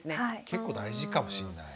結構大事かもしんない。